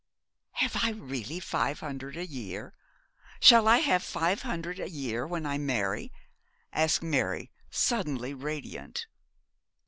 'Have I really five hundred a year? Shall I have five hundred a year when I marry?' asked Mary, suddenly radiant.